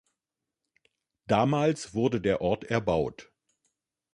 Damals wurde der Ort erbaut.